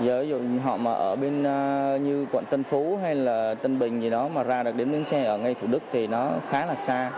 giờ ví dụ họ mà ở bên như quận tân phú hay là tân bình gì đó mà ra đặt đếm đứng xe ở ngay thủ đức thì nó khá là xa